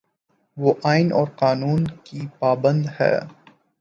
وہ آئین اور قانون کی پابند ہے۔